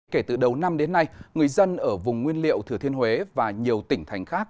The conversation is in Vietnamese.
kể từ đầu năm đến nay người dân ở vùng nguyên liệu thừa thiên huế và nhiều tỉnh thành khác